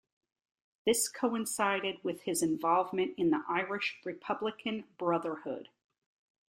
This coincided with his involvement in the Irish Republican Brotherhood.